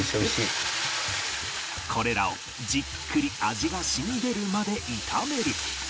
これらをじっくり味が染み出るまで炒める